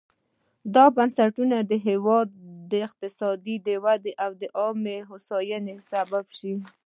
دا بنسټونه د هېواد اقتصادي ودې او عامه هوساینې سبب شي.